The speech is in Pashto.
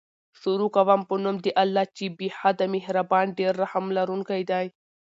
شروع کوم په نوم د الله چې بې حده مهربان ډير رحم لرونکی دی